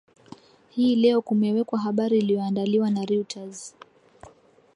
hii leo kumewekwa habari iliyoandaliwa na reuters